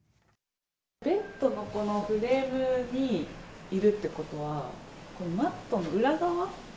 ベッドのこのフレームにいるってことは、マットの裏側？